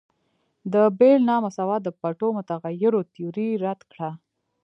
د بیل نا مساوات د پټو متغیرو تیوري رد کړه.